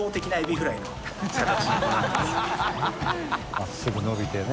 真っすぐ伸びてね